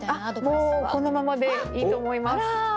もうこのままでいいと思います。